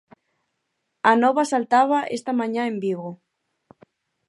A nova saltaba esta mañá en Vigo.